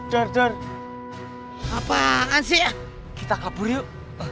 d'ar d'ar apaan sih kita kabur yuk